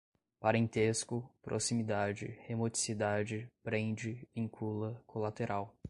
parentesco, proximidade, remoticidade, prende, vincula, colateral